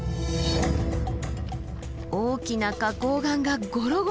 大きな花崗岩がゴロゴロ。